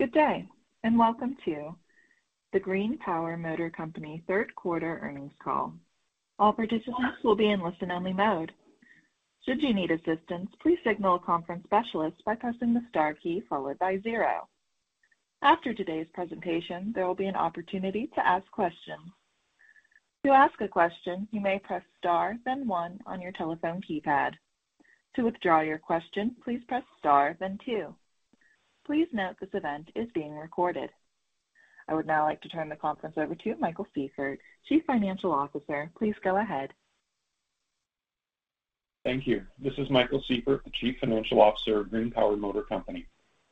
Good day, the GreenPower Motor Company third quarter earnings call. All participants will be in listen-only mode. Should you need assistance, please signal a conference specialist by pressing the star key followed by zero. After today's presentation, there will be an opportunity to ask questions. To ask a question, you may press star then one on your telephone keypad. To withdraw your question, please press star then two. Please note this event is being recorded. I would now like to turn the conference over to Michael Sieffert, Chief Financial Officer. Please go ahead. Thank you. This is Michael Sieffert, the Chief Financial Officer of GreenPower Motor Company.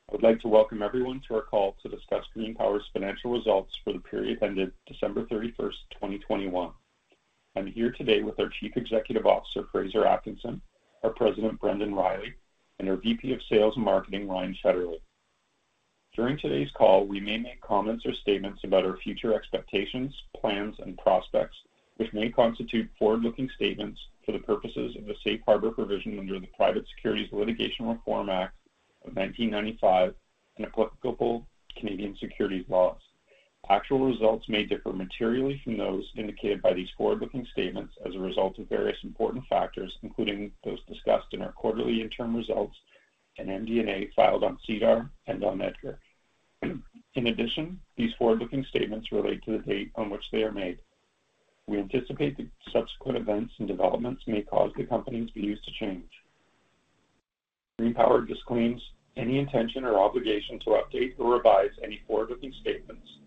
I would like to welcome everyone to our call to discuss GreenPower's financial results for the period ended December 31st, 2021. I'm here today with our Chief Executive Officer, Fraser Atkinson, our President, Brendan Riley, and our VP of Sales and Marketing, Ryne Shetterly. During today's call, we may make comments or statements about our future expectations, plans and prospects, which may constitute forward-looking statements for the purposes of the safe harbor provision under the Private Securities Litigation Reform Act of 1995 and applicable Canadian securities laws. Actual results may differ materially from those indicated by these forward-looking statements as a result of various important factors, including those discussed in our quarterly interim results and MD&A filed on SEDAR and on EDGAR. In addition, these forward-looking statements relate to the date on which they are made. We anticipate that subsequent events and developments may cause the company's views to change. GreenPower disclaims any intention or obligation to update or revise any forward-looking statements,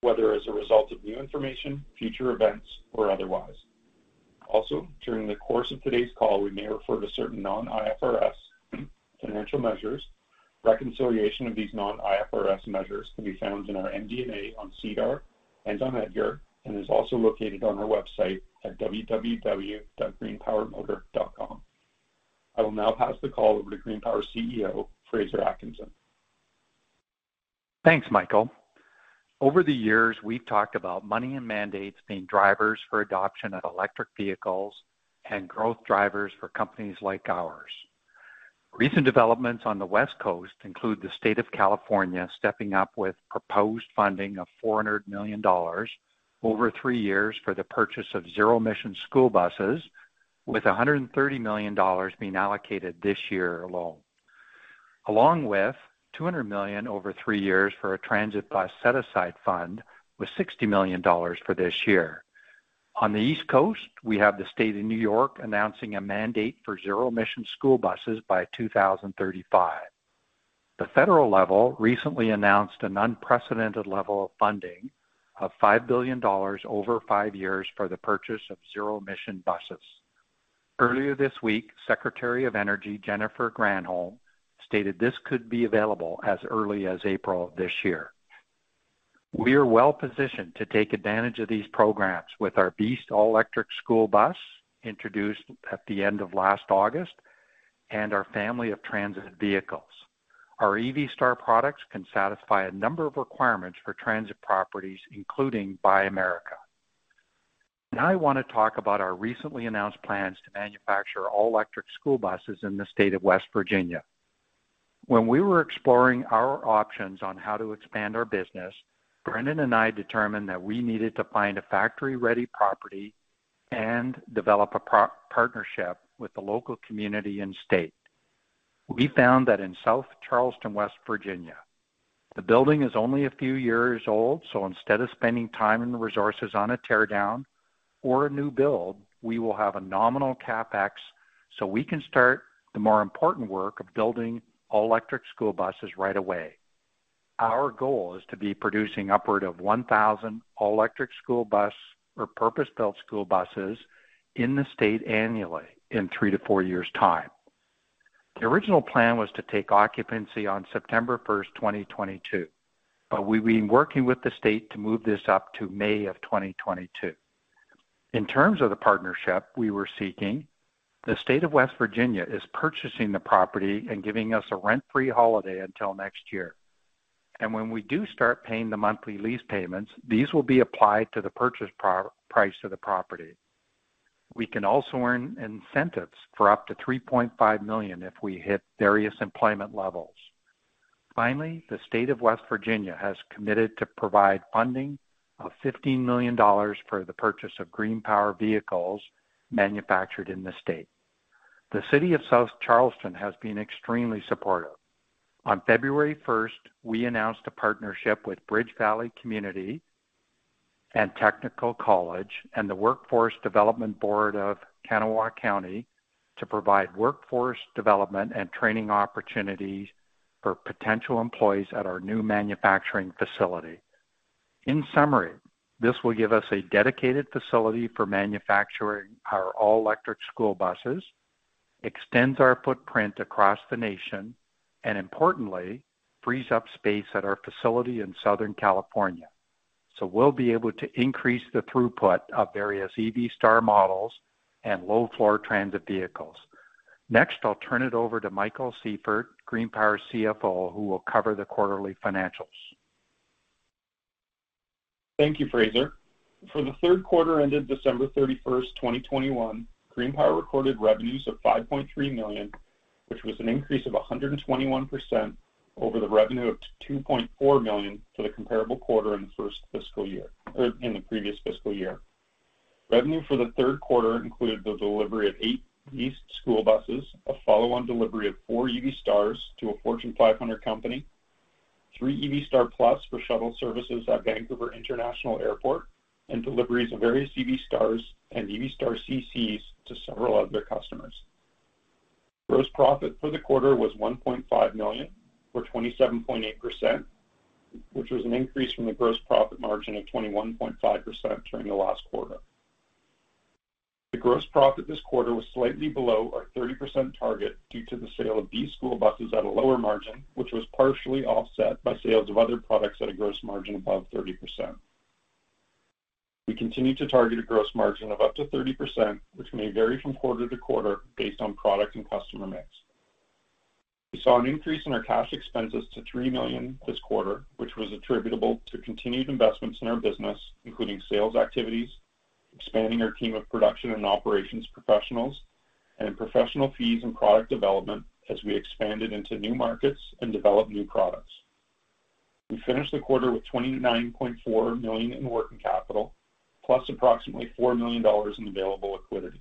whether as a result of new information, future events or otherwise. Also, during the course of today's call, we may refer to certain non-IFRS financial measures. Reconciliation of these non-IFRS measures can be found in our MD&A on SEDAR and on EDGAR, and is also located on our website at www.greenpowermotor.com. I will now pass the call over to GreenPower's CEO, Fraser Atkinson. Thanks, Michael. Over the years, we've talked about money and mandates being drivers for adoption of electric vehicles and growth drivers for companies like ours. Recent developments on the West Coast include the state of California stepping up with proposed funding of $400 million over three years for the purchase of zero-emission school buses, with $130 million being allocated this year alone, along with $200 million over three years for a transit bus set-aside fund with $60 million for this year. On the East Coast, we have the state of New York announcing a mandate for zero-emission school buses by 2035. The federal level recently announced an unprecedented level of funding of $5 billion over five years for the purchase of zero-emission buses. Earlier this week, Secretary of Energy Jennifer Granholm stated this could be available as early as April this year. We are well positioned to take advantage of these programs with our BEAST all-electric school bus introduced at the end of last August and our family of transit vehicles. Our EV Star products can satisfy a number of requirements for transit properties, including Buy America. Now I want to talk about our recently announced plans to manufacture all-electric school buses in the state of West Virginia. When we were exploring our options on how to expand our business, Brendan and I determined that we needed to find a factory-ready property and develop a partnership with the local community and state. We found that in South Charleston, West Virginia. The building is only a few years old, so instead of spending time and resources on a tear down or a new build, we will have a nominal CapEx so we can start the more important work of building all-electric school buses right away. Our goal is to be producing upward of 1,000 all-electric school bus or purpose-built school buses in the state annually in three to four years' time. The original plan was to take occupancy on September 1st, 2022, but we've been working with the state to move this up to May 2022. In terms of the partnership we were seeking, the state of West Virginia is purchasing the property and giving us a rent-free holiday until next year. When we do start paying the monthly lease payments, these will be applied to the purchase price of the property. We can also earn incentives for up to $3.5 million if we hit various employment levels. Finally, the state of West Virginia has committed to provide funding of $15 million for the purchase of GreenPower vehicles manufactured in the state. The city of South Charleston has been extremely supportive. On February first, we announced a partnership with BridgeValley Community and Technical College and the Workforce Development Board of Kanawha County to provide workforce development and training opportunities for potential employees at our new manufacturing facility. In summary, this will give us a dedicated facility for manufacturing our all-electric school buses, extends our footprint across the nation, and importantly, frees up space at our facility in Southern California, so we'll be able to increase the throughput of various EV Star models and low-floor transit vehicles. Next, I'll turn it over to Michael Sieffert, GreenPower's CFO, who will cover the quarterly financials. Thank you, Fraser. For the third quarter ended December 31st, 2021, GreenPower recorded revenues of 5.3 million, which was an increase of 121% over the revenue of 2.4 million for the comparable quarter in the first fiscal year, or in the previous fiscal year. Revenue for the third quarter included the delivery of eight BEAST school buses, a follow-on delivery of four EV Star Plus to a Fortune 500 company, three EV Star Plus for shuttle services at Vancouver International Airport, and deliveries of various EV Stars and EV Star CCs to several other customers. Gross profit for the quarter was 1.5 million, or 27.8%, which was an increase from the gross profit margin of 21.5% during the last quarter. The gross profit this quarter was slightly below our 30% target due to the sale of BEAST school buses at a lower margin, which was partially offset by sales of other products at a gross margin above 30%. We continue to target a gross margin of up to 30%, which may vary from quarter to quarter based on product and customer mix. We saw an increase in our cash expenses to $3 million this quarter, which was attributable to continued investments in our business, including sales activities, expanding our team of production and operations professionals, and professional fees and product development as we expanded into new markets and developed new products. We finished the quarter with $29.4 million in working capital, plus approximately $4 million in available liquidity.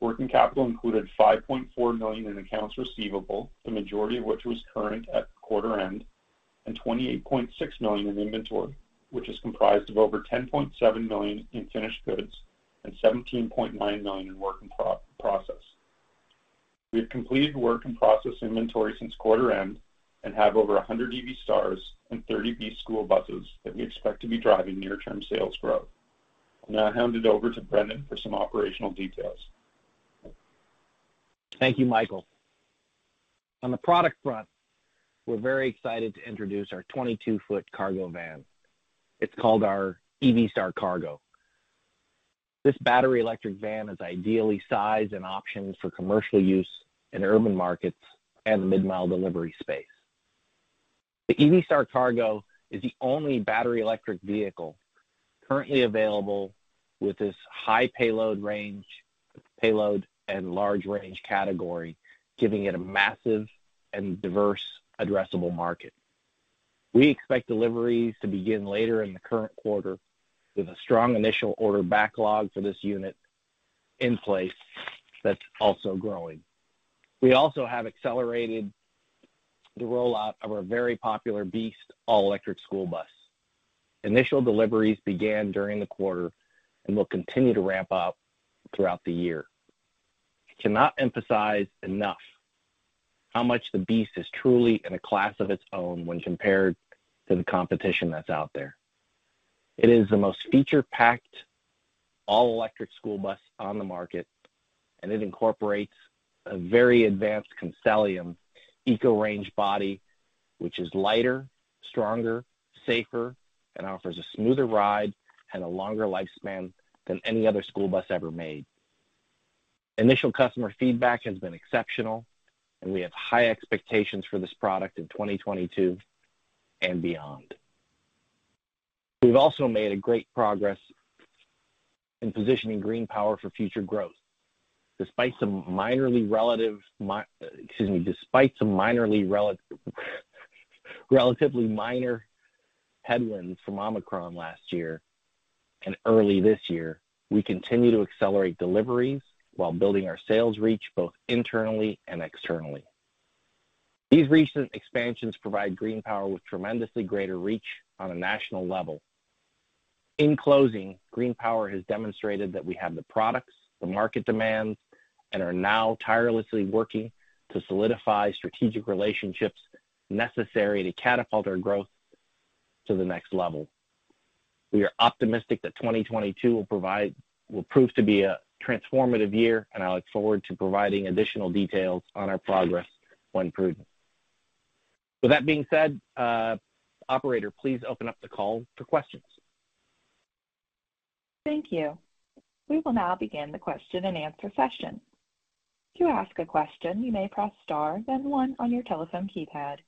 Working capital included 5.4 million in accounts receivable, the majority of which was current at quarter end, and 28.6 million in inventory, which is comprised of over 10.7 million in finished goods and 17.9 million in work in process. We have completed work in process inventory since quarter end and have over 100 EV Stars and 30 BEAST school buses that we expect to be driving near-term sales growth. I'll now hand it over to Brendan for some operational details. Thank you, Michael. On the product front, we're very excited to introduce our 22-foot cargo van. It's called our EV Star Cargo. This battery electric van is ideally sized and optioned for commercial use in urban markets and the mid-mile delivery space. The EV Star Cargo is the only battery electric vehicle currently available with this high payload and large range category, giving it a massive and diverse addressable market. We expect deliveries to begin later in the current quarter with a strong initial order backlog for this unit in place that's also growing. We also have accelerated the rollout of our very popular BEAST all-electric school bus. Initial deliveries began during the quarter and will continue to ramp up throughout the year. I cannot emphasize enough how much the BEAST is truly in a class of its own when compared to the competition that's out there. It is the most feature-packed all-electric school bus on the market, and it incorporates a very advanced Constellium ECO Range body, which is lighter, stronger, safer, and offers a smoother ride and a longer lifespan than any other school bus ever made. Initial customer feedback has been exceptional, and we have high expectations for this product in 2022 and beyond. We've also made a great progress in positioning GreenPower for future growth. Despite some relatively minor headwinds from Omicron last year and early this year, we continue to accelerate deliveries while building our sales reach both internally and externally. These recent expansions provide GreenPower with tremendously greater reach on a national level. In closing, GreenPower has demonstrated that we have the products the market demands and are now tirelessly working to solidify strategic relationships necessary to catapult our growth to the next level. We are optimistic that 2022 will prove to be a transformative year, and I look forward to providing additional details on our progress when prudent. With that being said, operator, please open up the call for questions. Thank you. We will now begin the question and answer session. To ask a question, you may press star then one on your telephone keypad.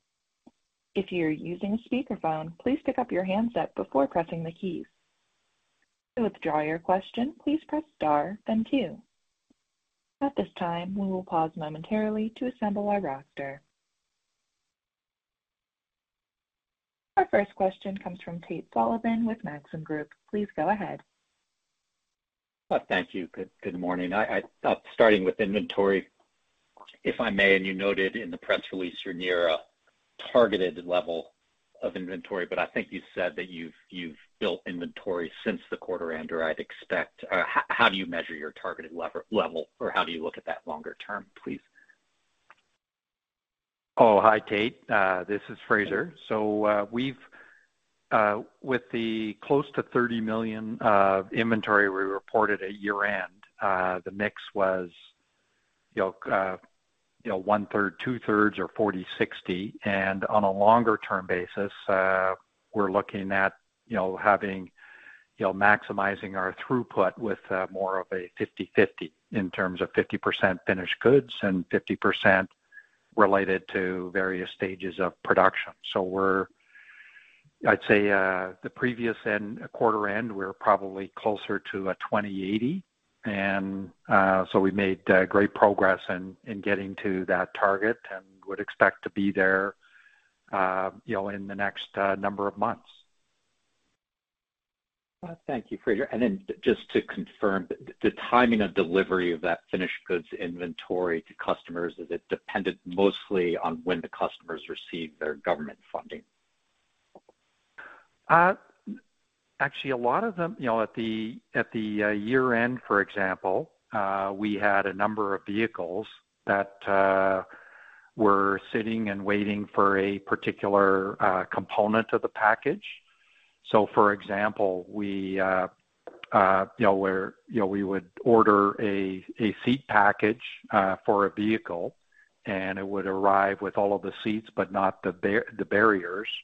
If you're using a speakerphone, please pick up your handset before pressing the keys. To withdraw your question, please press star then two. At this time, we will pause momentarily to assemble our roster. Our first question comes from Tate Sullivan with Maxim Group. Please go ahead. Thank you. Good morning. Starting with inventory, if I may, and you noted in the press release you're near a targeted level of inventory, but I think you said that you've built inventory since the quarter end, or I'd expect. How do you measure your targeted level or how do you look at that longer term, please? Oh, hi, Tate. This is Fraser. With the close to 30 million inventory we reported at year-end, the mix was, you know, you know, 1/3, 2/3 or 40/60. On a longer term basis, we're looking at, you know, having You know, maximizing our throughput with more of a 50/50 in terms of 50% finished goods and 50% related to various stages of production. I'd say, the previous quarter end, we're probably closer to a 20/80. We made great progress in getting to that target and would expect to be there, you know, in the next number of months. Thank you, Fraser. Just to confirm, the timing of delivery of that finished goods inventory to customers, is it dependent mostly on when the customers receive their government funding? Actually, a lot of them, you know, at the year-end, for example, we had a number of vehicles that were sitting and waiting for a particular component of the package. For example, we would order a seat package for a vehicle, and it would arrive with all of the seats, but not the barriers that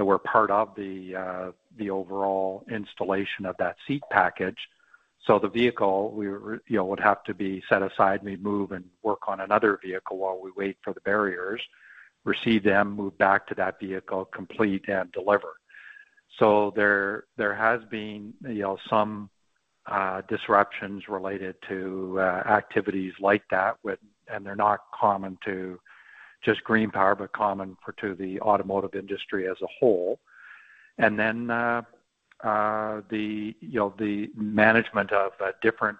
were part of the overall installation of that seat package. The vehicle would have to be set aside, we move and work on another vehicle while we wait for the barriers, receive them, move back to that vehicle, complete and deliver. There has been, you know, some disruptions related to activities like that. They're not common to just GreenPower, but common for to the automotive industry as a whole. You know, the management of a different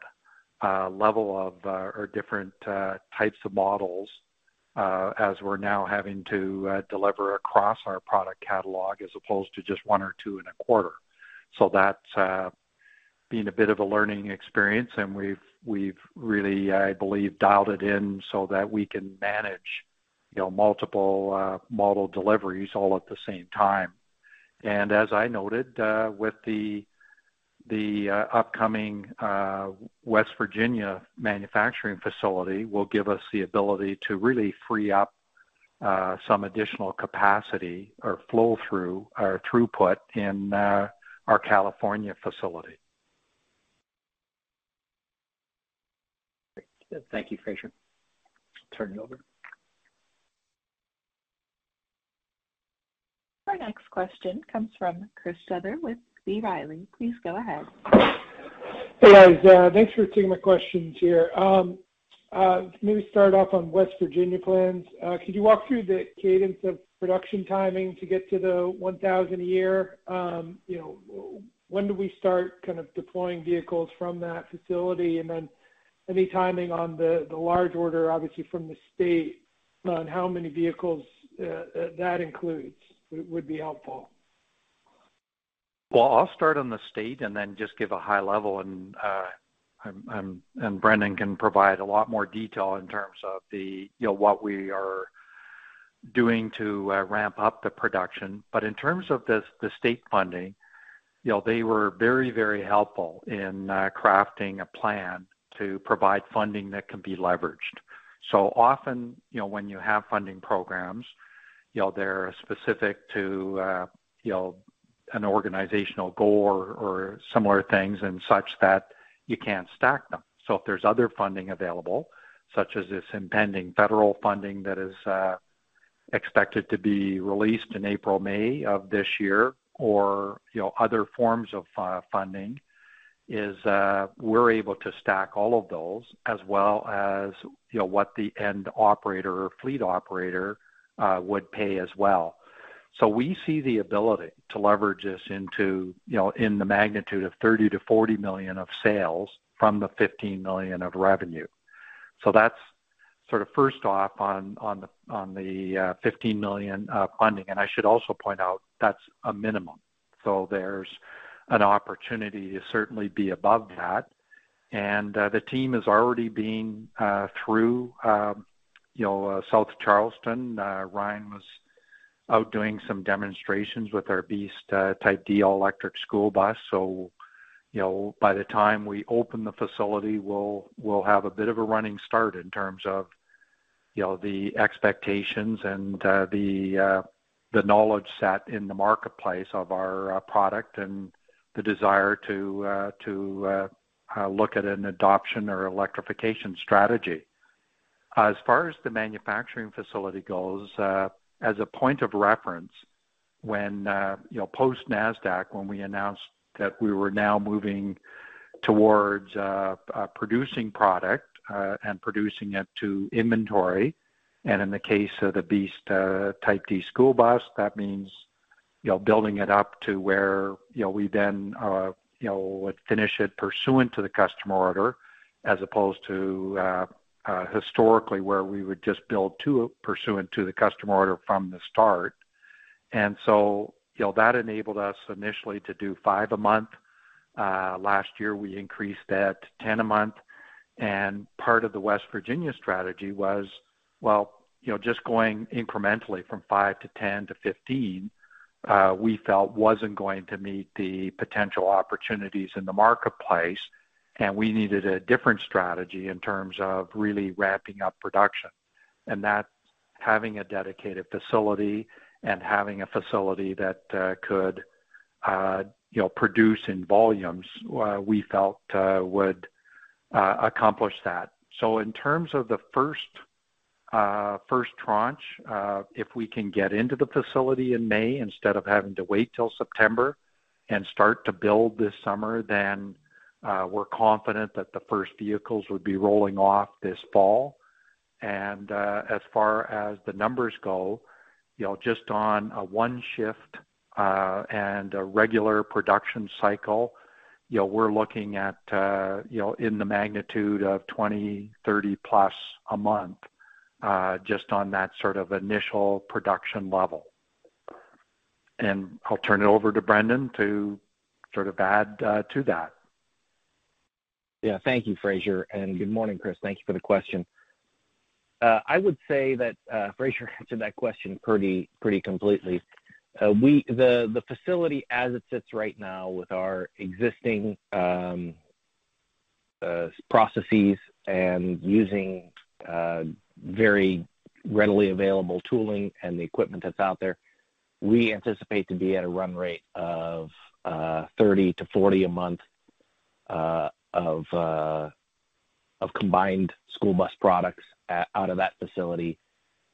level of or different types of models as we're now having to deliver across our product catalog as opposed to just one or two in a quarter. That's been a bit of a learning experience and we've really, I believe, dialed it in so that we can manage you know multiple model deliveries all at the same time. As I noted with the upcoming West Virginia manufacturing facility will give us the ability to really free up some additional capacity or flow through our throughput in our California facility. Thank you, Fraser. Turn it over. Our next question comes from Chris Souther with B. Riley. Please go ahead. Hey, guys. Thanks for taking my questions here. Maybe start off on West Virginia plans. Could you walk through the cadence of production timing to get to the 1,000 a year? You know, when do we start kind of deploying vehicles from that facility? Then any timing on the large order, obviously from the state on how many vehicles that includes would be helpful. Well, I'll start on the state and then just give a high level and Brendan can provide a lot more detail in terms of the, you know, what we are doing to ramp up the production. In terms of this, the state funding, you know, they were very, very helpful in crafting a plan to provide funding that can be leveraged. Often, you know, when you have funding programs, you know, they're specific to, you know, an organizational goal or similar things and such that you can't stack them. If there's other funding available, such as this impending federal funding that is expected to be released in April or May of this year, or you know other forms of funding, we're able to stack all of those as well as you know what the end operator or fleet operator would pay as well. We see the ability to leverage this into you know in the magnitude of $30 million-$40 million of sales from the $15 million of revenue. That's sort of first off on the $15 million funding. I should also point out that's a minimum. There's an opportunity to certainly be above that. The team is already being through you know South Charleston. Ryan was out doing some demonstrations with our BEAST, Type D all-electric school bus. You know, by the time we open the facility, we'll have a bit of a running start in terms of, you know, the expectations and the knowledge set in the marketplace of our product and the desire to look at an adoption or electrification strategy. As far as the manufacturing facility goes, as a point of reference, when, you know, post-Nasdaq, when we announced that we were now moving towards producing product and producing it to inventory. In the case of the BEAST, Type D school bus, that means, you know, building it up to where, you know, we then, you know, would finish it pursuant to the customer order, as opposed to, historically, where we would just build pursuant to the customer order from the start. You know, that enabled us initially to do five a month. Last year, we increased that to 10 a month. Part of the West Virginia strategy was, well, you know, just going incrementally from five to 10 to 15, we felt wasn't going to meet the potential opportunities in the marketplace, and we needed a different strategy in terms of really ramping up production. Having a dedicated facility and having a facility that could, you know, produce in volumes, we felt would accomplish that. In terms of the first tranche, if we can get into the facility in May instead of having to wait till September and start to build this summer, then we're confident that the first vehicles would be rolling off this fall. As far as the numbers go, you know, just on a one shift and a regular production cycle, you know, we're looking at, you know, in the magnitude of 20, 30+ a month, just on that sort of initial production level. I'll turn it over to Brendan to sort of add to that. Yeah. Thank you, Fraser, and good morning, Chris. Thank you for the question. I would say that Fraser answered that question pretty completely. The facility as it sits right now with our existing processes and using very readily available tooling and the equipment that's out there, we anticipate to be at a run rate of 30-40 a month of combined school bus products out of that facility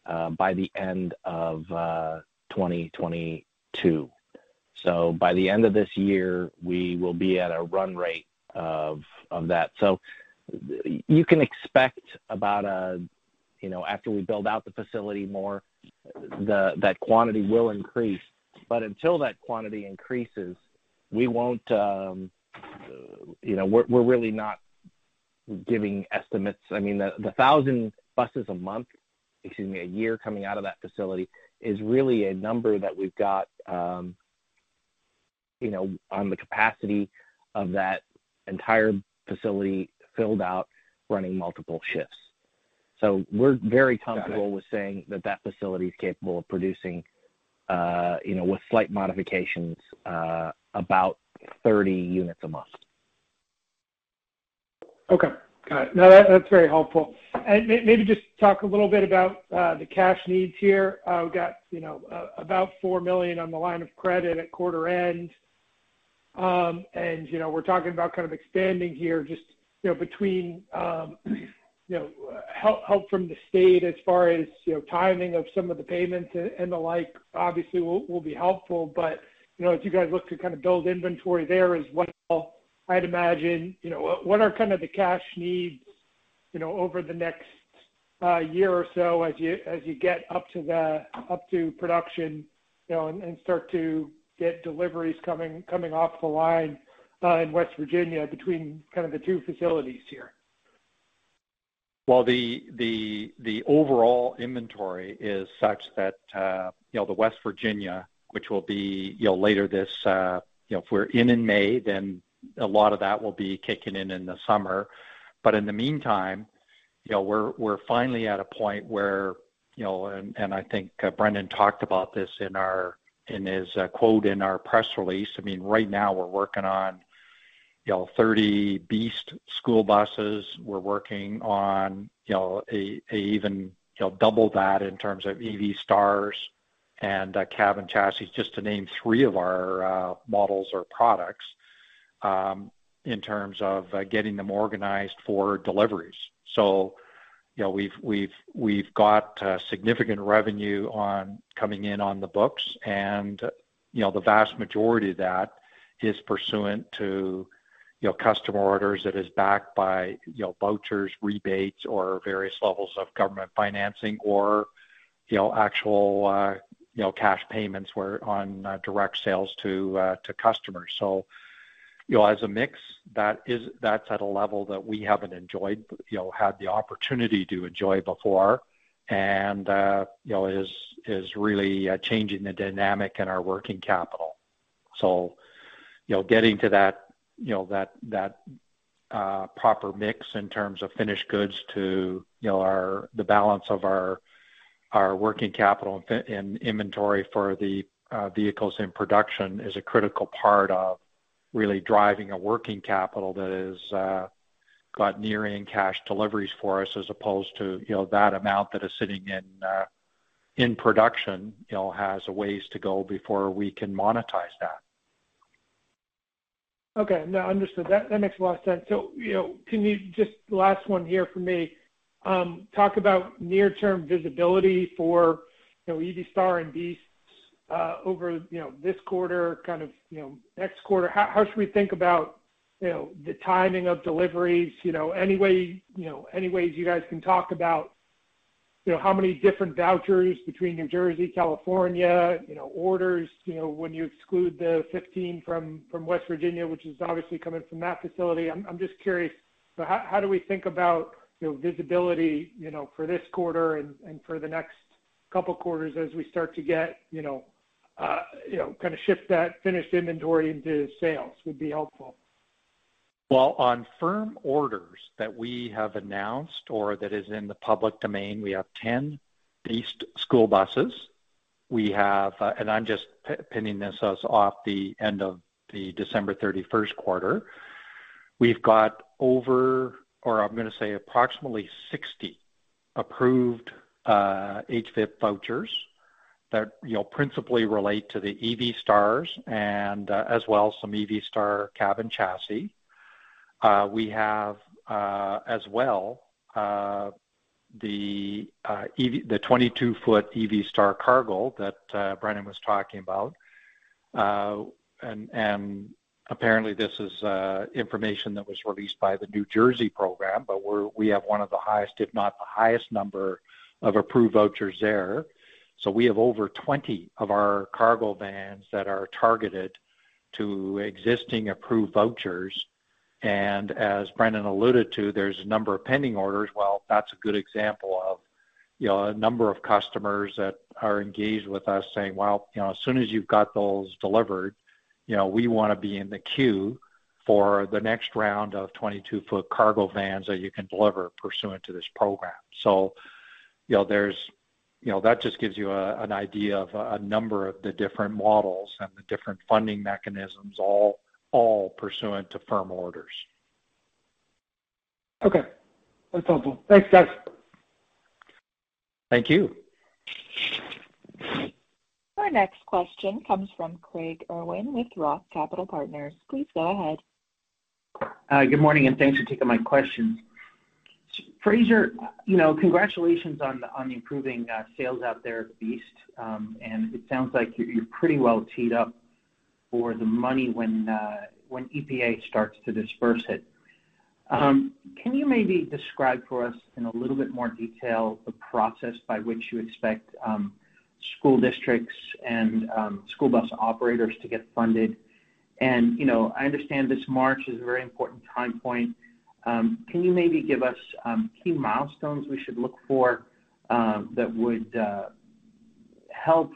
by the end of 2022. So by the end of this year, we will be at a run rate of that. You can expect about a, you know, after we build out the facility more, that quantity will increase. But until that quantity increases, we won't, you know, we're really not giving estimates. I mean, the 1,000 buses a month, excuse me, a year coming out of that facility is really a number that we've got, you know, on the capacity of that entire facility filled out running multiple shifts. We're very comfortable with saying that facility is capable of producing, you know, with slight modifications, about 30 units a month. Okay. Got it. No, that's very helpful. Maybe just talk a little bit about the cash needs here. We've got, you know, about $4 million on the line of credit at quarter end. We're talking about kind of expanding here just, you know, between help from the state as far as, you know, timing of some of the payments and the like obviously will be helpful. You know, as you guys look to kind of build inventory there as well, I'd imagine, you know, what are kind of the cash needs, you know, over the next year or so as you get up to production, you know, and start to get deliveries coming off the line in West Virginia between kind of the two facilities here? The overall inventory is such that, you know, the West Virginia, which will be, you know, later this, you know, if we're in May, then a lot of that will be kicking in in the summer. In the meantime, you know, we're finally at a point where, you know, I think Brendan talked about this in his quote in our press release. I mean, right now we're working on, you know, 30 BEAST school buses. We're working on, you know, an even, you know, double that in terms of EV Stars and cab and chassis, just to name three of our models or products in terms of getting them organized for deliveries. You know, we've got significant revenue coming in on the books and, you know, the vast majority of that is pursuant to customer orders that is backed by, you know, vouchers, rebates, or various levels of government financing or, you know, actual cash payments from direct sales to customers. You know, as a mix, that's at a level that we haven't enjoyed, had the opportunity to enjoy before and, you know, is really changing the dynamic in our working capital. You know, getting to that, you know, that proper mix in terms of finished goods to, you know, the balance of our working capital in inventory for the vehicles in production is a critical part of really driving a working capital that is got near-term cash deliveries for us as opposed to, you know, that amount that is sitting in production, you know, has a ways to go before we can monetize that. Okay. No, understood. That makes a lot of sense. You know, can you just, last one here for me, talk about near-term visibility for, you know, EV Star and BEAST, over, you know, this quarter, kind of, you know, next quarter. How should we think about, you know, the timing of deliveries? You know, any way, you know, any ways you guys can talk about, you know, how many different vouchers between New Jersey, California, you know, orders, you know, when you exclude the 15 from West Virginia, which is obviously coming from that facility. I'm just curious, so how do we think about, you know, visibility, you know, for this quarter and for the next couple quarters as we start to get, you know, kind of shift that finished inventory into sales would be helpful. Well, on firm orders that we have announced or that is in the public domain, we have 10 BEAST school buses. We have, and I'm just pinning this as of the end of the December 31st quarter. We've got over, or I'm going to say approximately 60 approved HVIP vouchers that, you know, principally relate to the EV Stars and, as well some EV Star cab and chassis. We have, as well, the 22-foot EV Star Cargo that, Brendan was talking about. And apparently this is information that was released by the New Jersey program, but we have one of the highest, if not the highest number of approved vouchers there. We have over 20 of our cargo vans that are targeted to existing approved vouchers. As Brendan alluded to, there's a number of pending orders. Well, that's a good example of, you know, a number of customers that are engaged with us saying, "Well, you know, as soon as you've got those delivered, you know, we want to be in the queue for the next round of 22-foot cargo vans that you can deliver pursuant to this program." You know, that just gives you an idea of a number of the different models and the different funding mechanisms all pursuant to firm orders. Okay. That's helpful. Thanks, guys. Thank you. Our next question comes from Craig Irwin with Roth Capital Partners. Please go ahead. Good morning, and thanks for taking my questions. Fraser, you know, congratulations on the improving sales out there at the BEAST. It sounds like you're pretty well teed up for the money when EPA starts to disburse it. Can you maybe describe for us in a little bit more detail the process by which you expect school districts and school bus operators to get funded? You know, I understand this March is a very important time point. Can you maybe give us key milestones we should look for that would help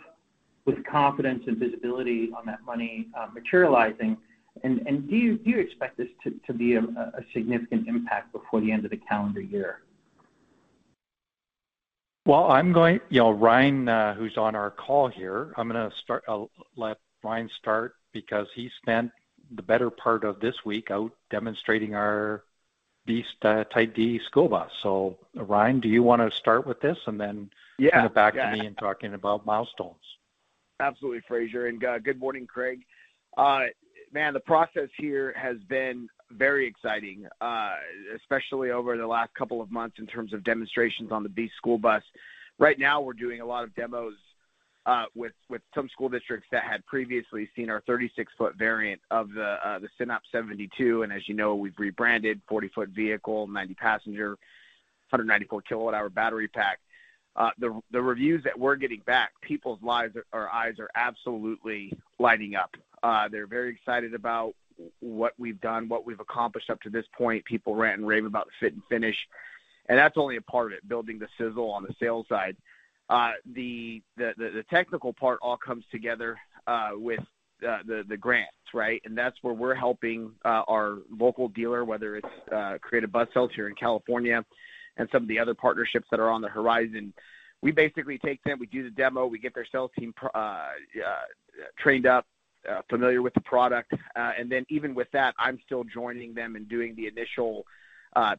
with confidence and visibility on that money materializing? Do you expect this to be a significant impact before the end of the calendar year? Well, you know, Ryne, who's on our call here, I'm gonna start. I'll let Ryne start because he spent the better part of this week out demonstrating our BEAST Type D school bus. Ryne, do you want to start with this and then? Yeah. Hand it back to me and talking about milestones. Absolutely, Fraser. Good morning, Craig. Man, the process here has been very exciting, especially over the last couple of months in terms of demonstrations on the BEAST school bus. Right now we're doing a lot of demos with some school districts that had previously seen our 36-foot variant of the Synapse 72. As you know, we've rebranded 40-foot vehicle, 90-passenger, 194 kWh battery pack. The reviews that we're getting back, people's eyes are absolutely lighting up. They're very excited about what we've done, what we've accomplished up to this point. People rant and rave about the fit and finish, and that's only a part of it, building the sizzle on the sales side. The technical part all comes together with the grants, right? That's where we're helping our local dealer, whether it's Creative Bus Sales here in California and some of the other partnerships that are on the horizon. We basically take them, we do the demo, we get their sales team trained up, familiar with the product. Even with that, I'm still joining them and doing the initial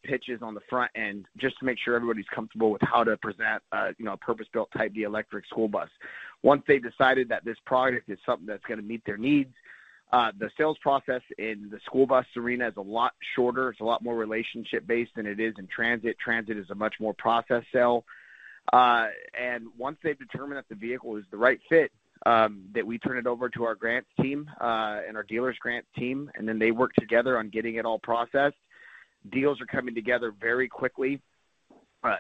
pitches on the front end just to make sure everybody's comfortable with how to present a, you know, a purpose-built Type D electric school bus. Once they've decided that this product is something that's gonna meet their needs, the sales process in the school bus arena is a lot shorter. It's a lot more relationship based than it is in transit. Transit is a much more process sale. Once they've determined that the vehicle is the right fit, then we turn it over to our grants team, and our dealers grants team, and then they work together on getting it all processed. Deals are coming together very quickly.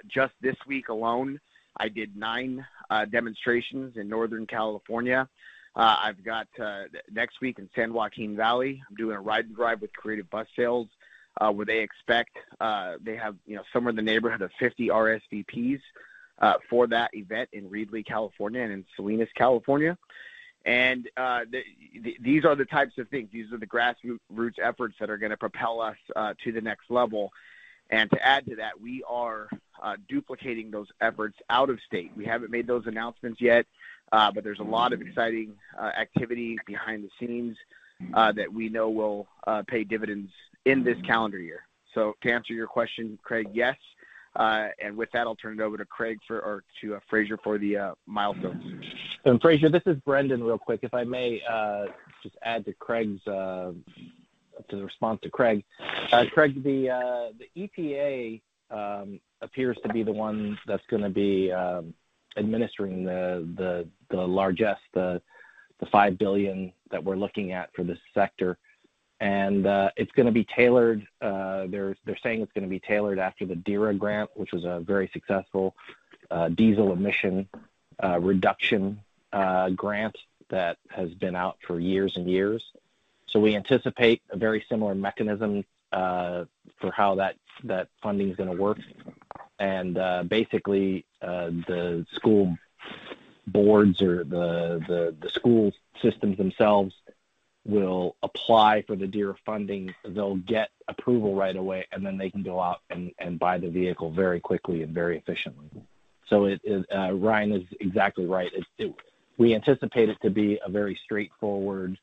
Just this week alone, I did nine demonstrations in Northern California. I've got next week in San Joaquin Valley, I'm doing a ride and drive with Creative Bus Sales, where they expect you know somewhere in the neighborhood of 50 RSVPs for that event in Reedley, California, and in Salinas, California. These are the types of things, the grassroots efforts that are gonna propel us to the next level. To add to that, we are duplicating those efforts out of state. We haven't made those announcements yet, but there's a lot of exciting activity behind the scenes that we know will pay dividends in this calendar year. To answer your question, Craig, yes. With that, I'll turn it over to Fraser for the milestones. Fraser, this is Brendan real quick, if I may, just add to Craig's to the response to Craig. Craig, the EPA appears to be the one that's gonna be administering the largest, the $5 billion that we're looking at for this sector. It's gonna be tailored, they're saying it's gonna be tailored after the DERA grant, which was a very successful diesel emission reduction grant that has been out for years and years. We anticipate a very similar mechanism for how that funding is gonna work. Basically, the school boards or the school systems themselves will apply for the DERA funding. They'll get approval right away, and then they can go out and buy the vehicle very quickly and very efficiently. Ryne is exactly right. We anticipate it to be a very straightforward.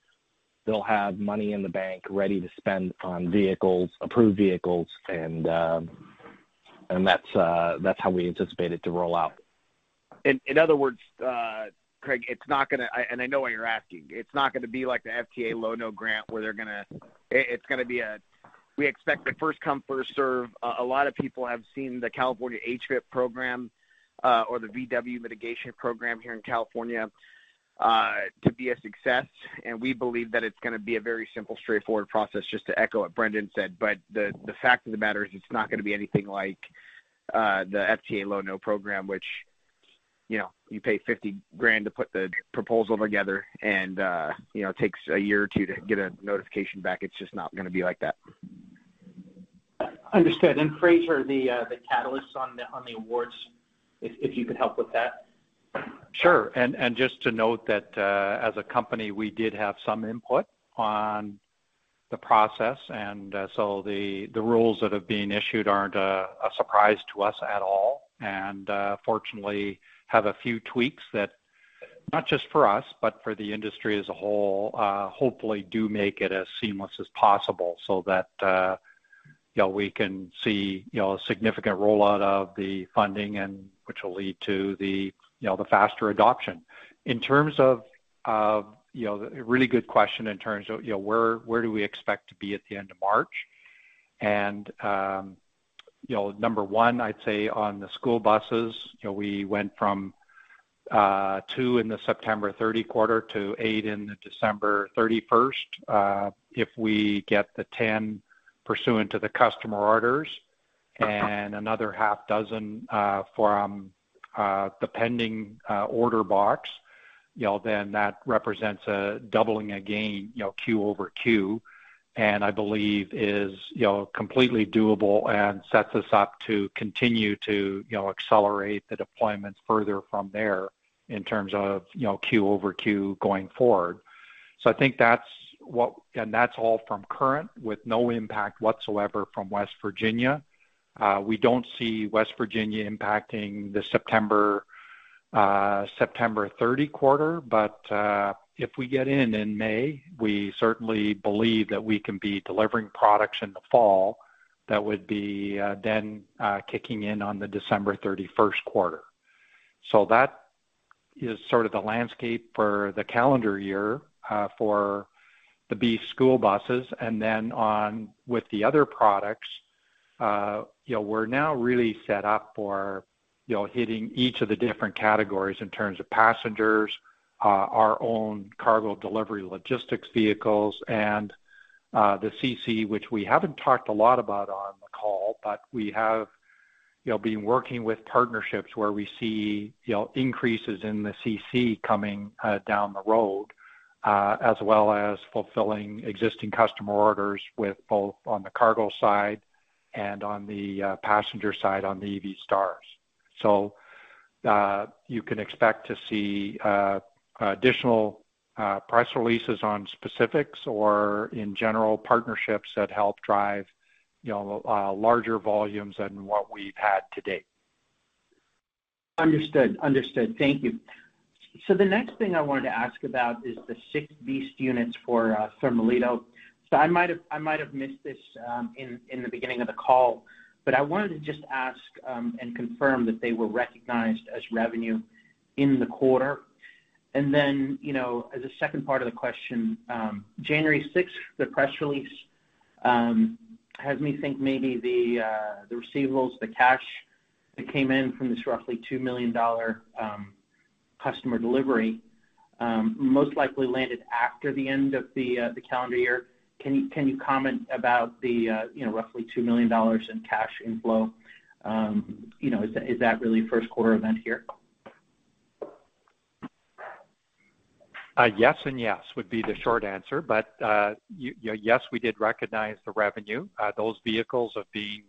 They'll have money in the bank ready to spend on vehicles, approved vehicles, and that's how we anticipate it to roll out. In other words, Craig, I know what you're asking. It's not gonna be like the FTA Low-No grant where it's gonna be a first come, first serve. A lot of people have seen the California HVIP program or the VW mitigation program here in California to be a success. We believe that it's gonna be a very simple, straightforward process, just to echo what Brendan said. The fact of the matter is it's not gonna be anything like the FTA Low-No program, which, you know, you pay $50,000 to put the proposal together and, you know, it takes a year or two to get a notification back. It's just not gonna be like that. Understood. Fraser, the catalysts on the awards, if you could help with that. Sure. Just to note that as a company, we did have some input on the process. The rules that have been issued aren't a surprise to us at all. Fortunately, have a few tweaks that not just for us, but for the industry as a whole, hopefully do make it as seamless as possible so that you know, we can see you know, a significant rollout of the funding and which will lead to the you know, the faster adoption. In terms of you know, a really good question in terms of you know, where do we expect to be at the end of March. You know, number one, I'd say on the school buses, you know, we went from two in the September 30 quarter to eight in the December 31st. If we get the 10 pursuant to the customer orders and another half dozen from the pending order box, you know, then that represents a doubling again, you know, Q-over-Q. I believe it is, you know, completely doable and sets us up to continue to, you know, accelerate the deployments further from there in terms of, you know, Q-over-Q going forward. I think that's what and that's all from current with no impact whatsoever from West Virginia. We don't see West Virginia impacting the September 30 quarter. If we get in in May, we certainly believe that we can be delivering products in the fall that would be then kicking in on the December 31st quarter. That is sort of the landscape for the calendar year for the BEAST school buses. On with the other products, you know, we're now really set up for, you know, hitting each of the different categories in terms of passengers, our own cargo delivery logistics vehicles, and the CC, which we haven't talked a lot about on the call, but we have, you know, been working with partnerships where we see, you know, increases in the CC coming down the road, as well as fulfilling existing customer orders with both on the cargo side and on the passenger side on the EV Stars. You can expect to see additional press releases on specifics or in general partnerships that help drive, you know, larger volumes than what we've had to date. Understood. Thank you. The next thing I wanted to ask about is the six BEAST units for Thermalito. I might have missed this in the beginning of the call, but I wanted to just ask and confirm that they were recognized as revenue in the quarter. As a second part of the question, January 6th, the press release has me think maybe the receivables, the cash that came in from this roughly $2 million customer delivery most likely landed after the end of the calendar year. Can you comment about the roughly $2 million in cash inflow? Is that really a first quarter event here? Yes and yes would be the short answer. Yes, we did recognize the revenue. Those vehicles have been,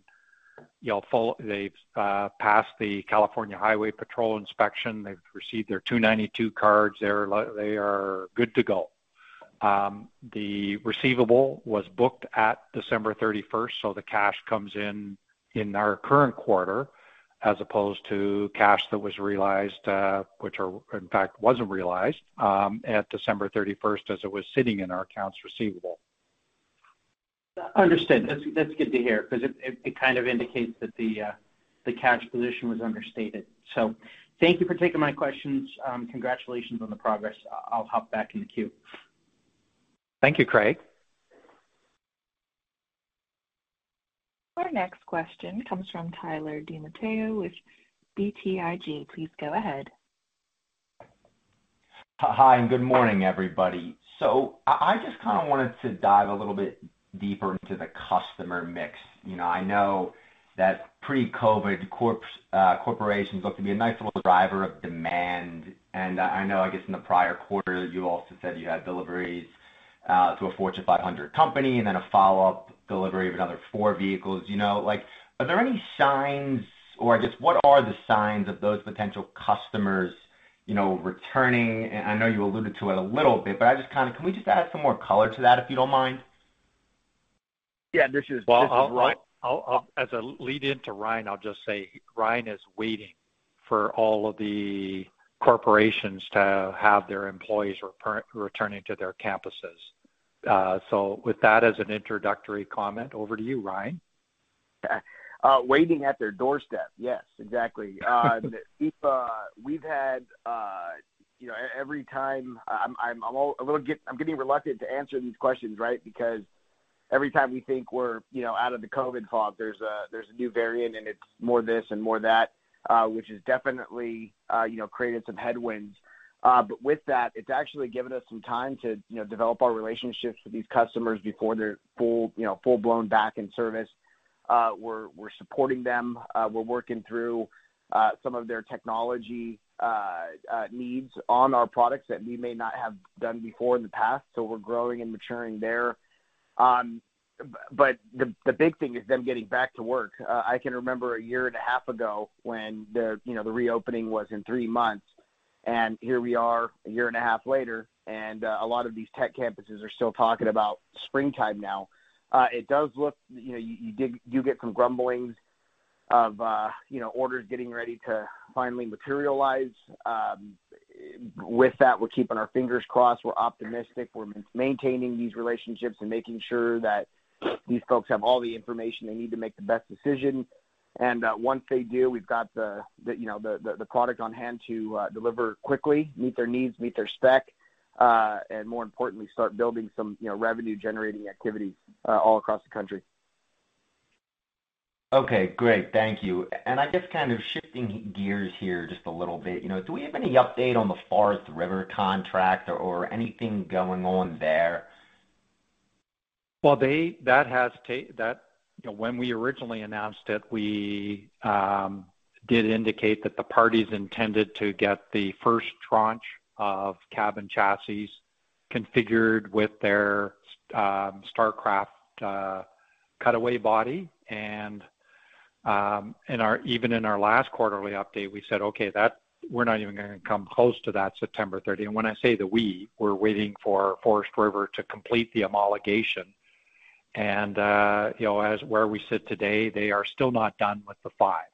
you know, they've passed the California Highway Patrol inspection. They've received their 292 cards. They are good to go. The receivable was booked at December 31st so the cash comes in in our current quarter as opposed to cash that was realized, which in fact wasn't realized, at December 31st as it was sitting in our accounts receivable. Understood. That's good to hear because it kind of indicates that the cash position was understated. Thank you for taking my questions. Congratulations on the progress. I'll hop back in the queue. Thank you, Craig. Our next question comes from Tyler DiMatteo with BTIG. Please go ahead. Hi, and good morning, everybody. I just kinda wanted to dive a little bit deeper into the customer mix. You know, I know that pre-COVID corps, corporations looked to be a nice little driver of demand. I know, I guess in the prior quarter, you also said you had deliveries to a Fortune 500 company and then a follow-up delivery of another four vehicles. You know, like, are there any signs or I guess what are the signs of those potential customers, you know, returning? I know you alluded to it a little bit, but I just kinda can we just add some more color to that, if you don't mind? Yeah, this is Ryne. Well, as a lead into Ryne, I'll just say Ryne is waiting for all of the corporations to have their employees returning to their campuses. With that as an introductory comment, over to you, Ryne. Yeah. Waiting at their doorstep. Yes, exactly. We've had, you know, every time. I'm getting reluctant to answer these questions, right? Because every time we think we're, you know, out of the COVID fog, there's a new variant, and it's more this and more that, which has definitely, you know, created some headwinds. With that, it's actually given us some time to, you know, develop our relationships with these customers before they're full-blown back in service. We're supporting them. We're working through some of their technology needs on our products that we may not have done before in the past. We're growing and maturing there. The big thing is them getting back to work. I can remember a year and a half ago when the reopening was in three months, and here we are a year and a half later, and a lot of these tech campuses are still talking about springtime now. It does look. You know, you get some grumblings of orders getting ready to finally materialize. With that, we're keeping our fingers crossed. We're optimistic. We're maintaining these relationships and making sure that these folks have all the information they need to make the best decision. Once they do, we've got the product on hand to deliver quickly, meet their needs, meet their spec, and more importantly, start building some revenue-generating activity all across the country. Okay, great. Thank you. I guess kind of shifting gears here just a little bit, you know, do we have any update on the Forest River contract or anything going on there? You know, when we originally announced it, we did indicate that the parties intended to get the first tranche of cab and chassis configured with their Starcraft cutaway body. In our last quarterly update, we said, "Okay, we're not even gonna come close to that September 30." When I say that we're waiting for Forest River to complete the homologation. You know, where we sit today, they are still not done with the five.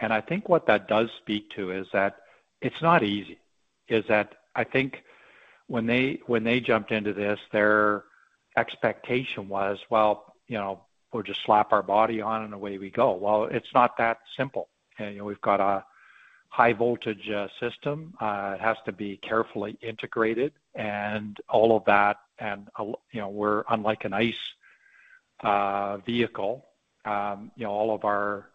I think what that does speak to is that it's not easy, that when they jumped into this, their expectation was, well, you know, we'll just slap our body on and away we go. Well, it's not that simple. You know, we've got a high voltage system, it has to be carefully integrated and all of that. You know, we're unlike an ICE vehicle, you know, all of our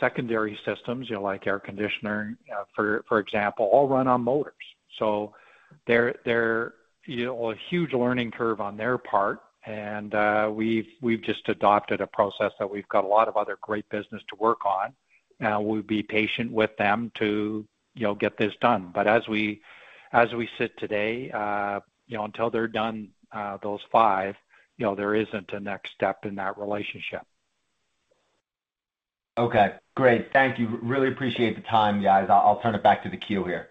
secondary systems, you know, like air conditioner, for example, all run on motors. So they're, you know, a huge learning curve on their part. We've just adopted a process that we've got a lot of other great business to work on. We'll be patient with them to, you know, get this done. As we sit today, you know, until they're done, those five, you know, there isn't a next step in that relationship. Okay, great. Thank you. Really appreciate the time, guys. I'll turn it back to the queue here.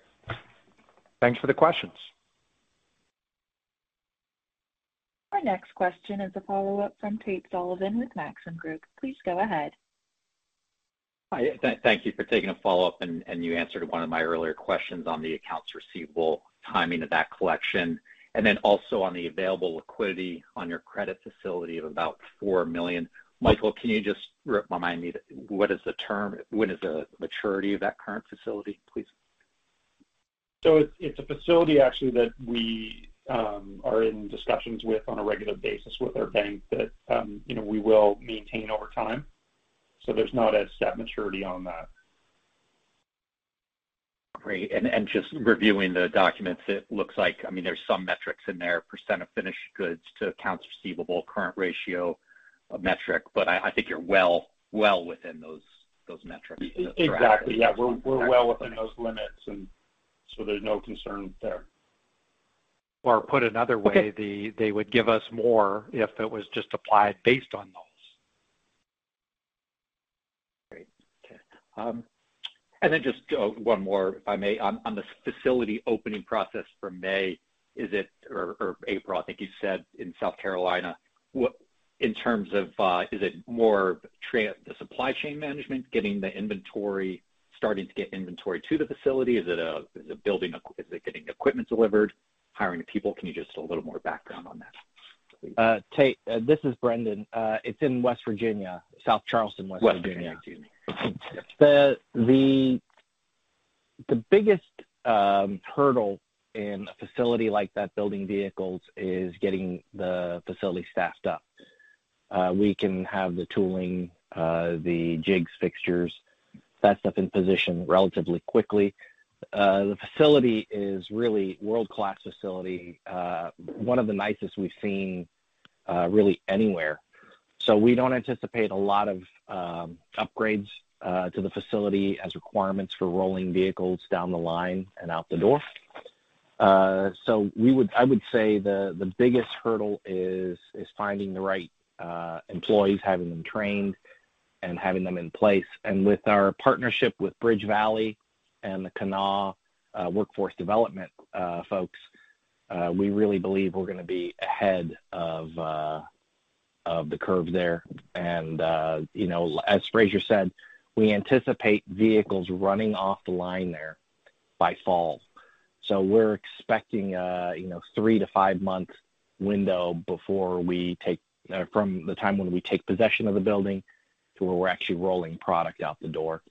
Thanks for the questions. Our next question is a follow-up from Tate Sullivan with Maxim Group. Please go ahead. Hi. Thank you for taking a follow-up, and you answered one of my earlier questions on the accounts receivable timing of that collection, and then also on the available liquidity on your credit facility of about $4 million. Michael, can you just remind me, what is the term, when is the maturity of that current facility, please? It's a facility actually that we are in discussions with on a regular basis with our bank that, you know, we will maintain over time. There's not a set maturity on that. Great. Just reviewing the documents, it looks like, I mean, there's some metrics in there, percent of finished goods to accounts receivable, current ratio metric, but I think you're well within those metrics. Exactly. Yeah. We're well within those limits, and so there's no concern there. Put another way. Okay. They would give us more if it was just applied based on those. Great. Okay. Just one more, if I may. On the facility opening process for May, is it or April, I think you said in South Carolina, what in terms of is it more the supply chain management, getting the inventory, starting to get inventory to the facility? Is it getting equipment delivered, hiring people? Can you just a little more background on that? Tate, this is Brendan. It's in West Virginia, South Charleston, West Virginia. West Virginia. Excuse me. The biggest hurdle in a facility like that building vehicles is getting the facility staffed up. We can have the tooling, the jigs, fixtures, staffed up in position relatively quickly. The facility is really world-class facility, one of the nicest we've seen, really anywhere. So we don't anticipate a lot of upgrades to the facility as requirements for rolling vehicles down the line and out the door. I would say the biggest hurdle is finding the right employees, having them trained and having them in place. With our partnership with BridgeValley and the Kanawha Workforce Development folks, we really believe we're going to be ahead of the curve there. You know, as Fraser said, we anticipate vehicles running off the line there by fall. We're expecting a three to five month window from the time when we take possession of the building to where we're actually rolling product out the door.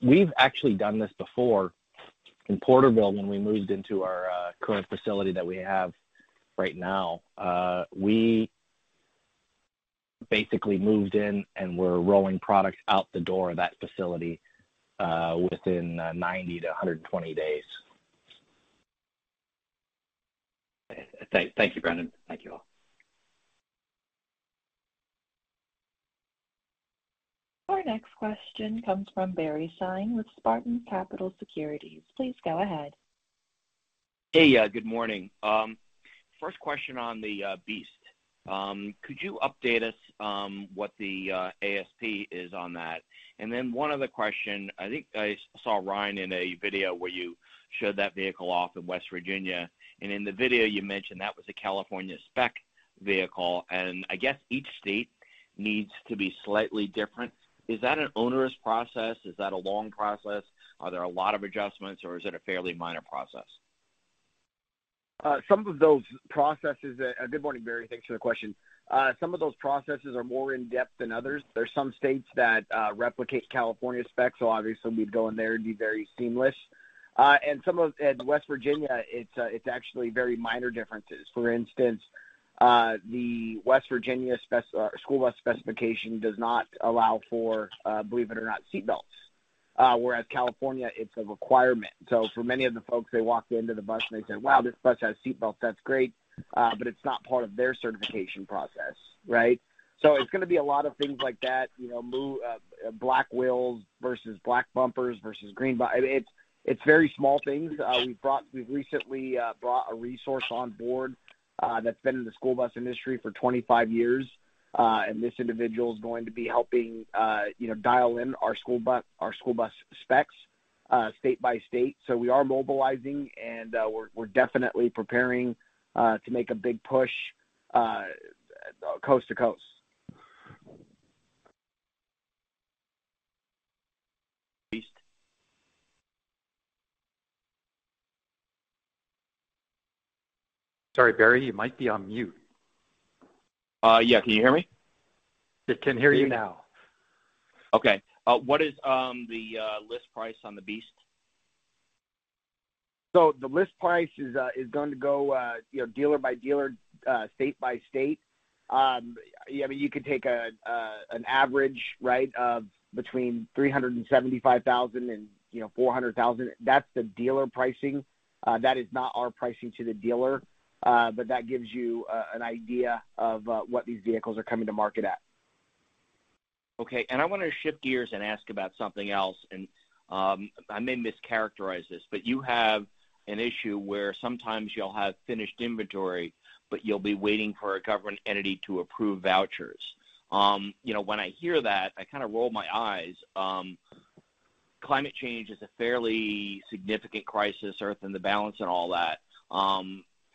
We've actually done this before in Porterville when we moved into our current facility that we have right now. We basically moved in and we're rolling product out the door of that facility within 90-120 days. Thank you, Brendan. Thank you all. Our next question comes from Barry Sine with Spartan Capital Securities. Please go ahead. Hey, good morning. First question on the BEAST. Could you update us what the ASP is on that? And then one other question. I think I saw Ryne in a video where you showed that vehicle off in West Virginia, and in the video you mentioned that was a California spec vehicle, and I guess each state needs to be slightly different. Is that an onerous process? Is that a long process? Are there a lot of adjustments, or is it a fairly minor process? Good morning, Barry. Thanks for the question. Some of those processes are more in-depth than others. There are some states that replicate California specs, so obviously we'd go in there and be very seamless. In West Virginia, it's actually very minor differences. For instance, the West Virginia spec school bus specification does not allow for, believe it or not, seat belts. Whereas California, it's a requirement. So for many of the folks, they walked into the bus and they said, "Wow, this bus has seat belts. That's great." But it's not part of their certification process, right? So it's going to be a lot of things like that, you know, black wheels versus black bumpers versus green. It's very small things. We've recently brought a resource on board that's been in the school bus industry for 25 years. This individual is going to be helping, you know, dial in our school bus specs state by state. We are mobilizing, and we're definitely preparing to make a big push coast to coast. Sorry, Barry, you might be on mute. Yeah. Can you hear me? Can hear you now. Okay. What is the list price on the BEAST? The list price is going to go dealer by dealer, state by state. You could take an average, right, of between 375,000 and 400,000. That's the dealer pricing. That is not our pricing to the dealer, but that gives you an idea of what these vehicles are coming to market at. Okay. I want to shift gears and ask about something else. I may mischaracterize this, but you have an issue where sometimes you'll have finished inventory, but you'll be waiting for a government entity to approve vouchers. You know, when I hear that, I kind of roll my eyes. Climate change is a fairly significant crisis, Earth in the balance and all that.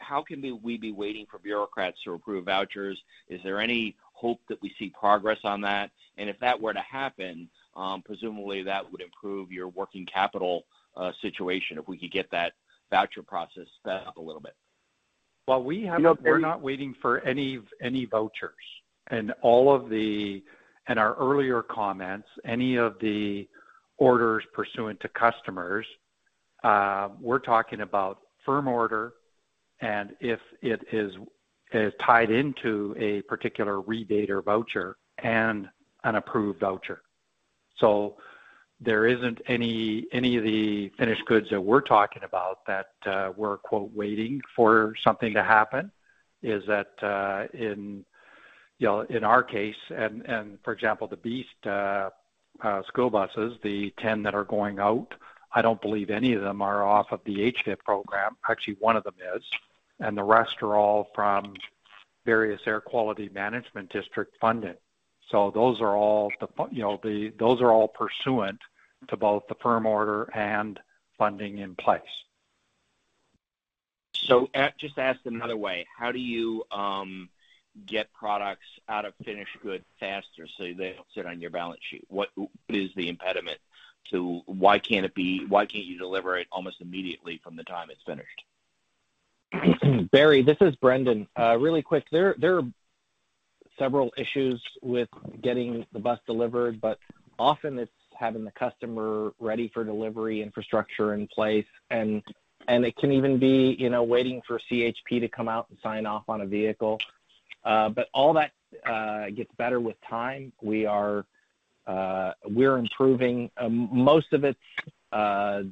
How can we be waiting for bureaucrats to approve vouchers? Is there any hope that we see progress on that? If that were to happen, presumably that would improve your working capital situation if we could get that voucher process sped up a little bit. Well, we have. You know, Barry. We're not waiting for any vouchers. In our earlier comments, any of the orders pursuant to customers, we're talking about firm order and if it is tied into a particular rebate or voucher and an approved voucher. There isn't any of the finished goods that we're talking about that we're "waiting for something to happen." That's in, you know, in our case, and for example, the BEAST school buses, the 10 that are going out. I don't believe any of them are off of the HVIP program. Actually, one of them is, and the rest are all from various air quality management district funding. Those are all, you know, those are all pursuant to both the firm order and funding in place. Just to ask it another way, how do you get products out of finished good faster so they don't sit on your balance sheet? What is the impediment to why can't you deliver it almost immediately from the time it's finished? Barry, this is Brendan. Really quick. There are several issues with getting the bus delivered, but often it's having the customer ready for delivery, infrastructure in place, and it can even be, you know, waiting for CHP to come out and sign off on a vehicle. All that gets better with time. We're improving. Most of it's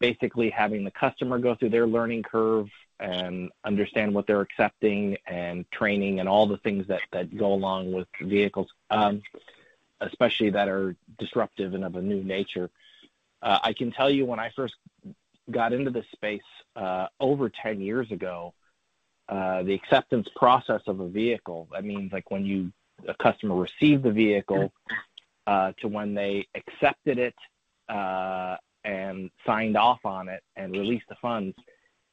basically having the customer go through their learning curve and understand what they're accepting and training and all the things that go along with vehicles, especially that are disruptive and of a new nature. I can tell you when I first got into this space, over 10 years ago. The acceptance process of a vehicle, that means like when a customer received the vehicle, to when they accepted it, and signed off on it and released the funds,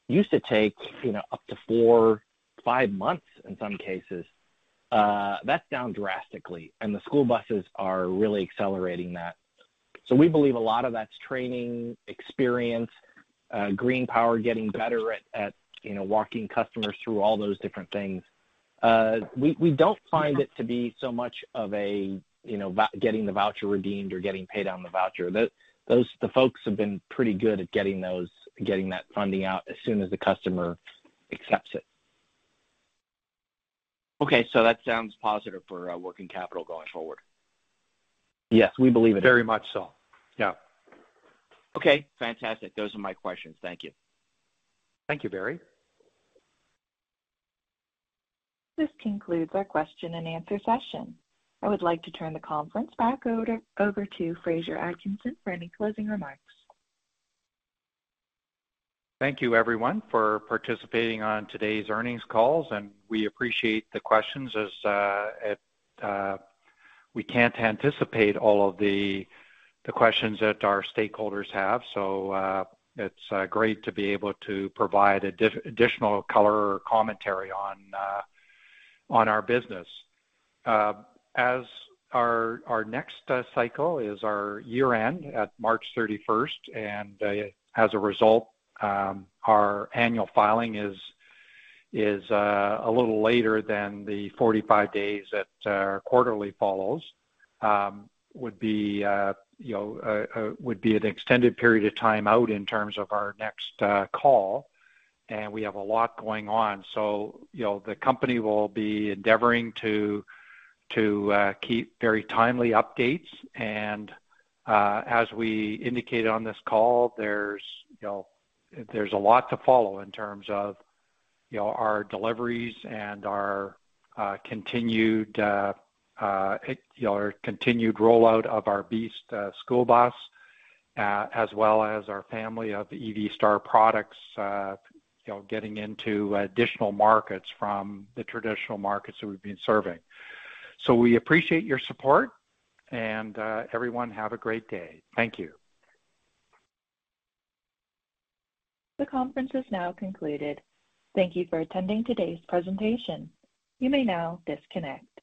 used to take, you know, up to four, five months in some cases. That's down drastically, and the school buses are really accelerating that. We believe a lot of that's training, experience, GreenPower getting better at, you know, walking customers through all those different things. We don't find it to be so much of a, you know, voucher getting the voucher redeemed or getting paid on the voucher. The folks have been pretty good at getting that funding out as soon as the customer accepts it. Okay. That sounds positive for working capital going forward. Yes, we believe it is. Very much so. Yeah. Okay, fantastic. Those are my questions. Thank you. Thank you, Barry. This concludes our question-and-answer session. I would like to turn the conference back over to Fraser Atkinson for any closing remarks. Thank you, everyone, for participating on today's earnings calls, and we appreciate the questions as we can't anticipate all of the questions that our stakeholders have. It's great to be able to provide additional color or commentary on our business. As our next cycle is our year-end at March 31st, and as a result, our annual filing is a little later than the 45 days that quarterly follows would be an extended period of time out in terms of our next call. We have a lot going on. You know, the company will be endeavoring to keep very timely updates. As we indicated on this call, you know, there's a lot to follow in terms of, you know, our deliveries and our continued rollout of our BEAST school bus, as well as our family of EV Star products, you know, getting into additional markets from the traditional markets that we've been serving. We appreciate your support, and everyone, have a great day. Thank you. The conference has now concluded. Thank you for attending today's presentation. You may now disconnect.